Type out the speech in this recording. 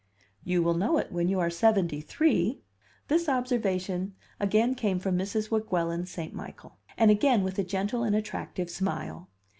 "You will know it when you are seventy three." This observation again came from Mrs. Weguelin St. Michael, and again with a gentle and attractive smile.